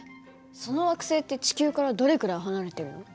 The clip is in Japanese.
その惑星って地球からどれくらい離れてるの？